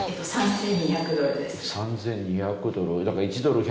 ３２００ドル。